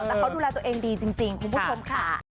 แต่เขาดูแลตัวเองดีจริงคุณผู้ชมค่ะ